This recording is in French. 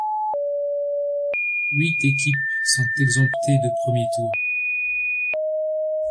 Huit équipes sont exemptées de premier tour.